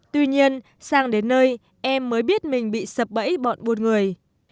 tuy nhiên sang đến nơi em mới biết mình bị sập bẫy bọn buôn người